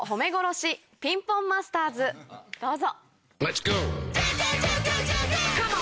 どうぞ。